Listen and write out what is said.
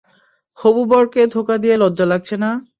হবু বরকে ধোকা দিয়ে লজ্জা লাগছে না?